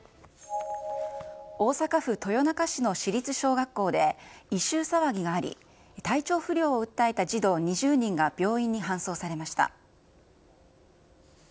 大阪府豊中市の市立小学校で、異臭騒ぎがあり、体調不良を訴えた児童２０人が病院に搬送されました。